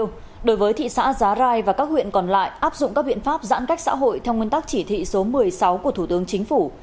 chủ tịch ubnd tỉnh bạc liêu đối với thị xã giá rai và các huyện còn lại áp dụng các biện pháp giãn cách xã hội theo nguyên tắc chỉ thị số một mươi sáu của thủ tướng chính phủ